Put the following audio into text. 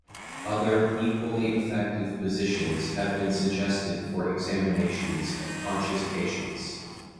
Other, equally effective positions have been suggested for examinations of conscious patients.